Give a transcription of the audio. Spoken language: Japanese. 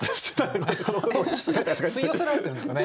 吸い寄せられてるんですかね。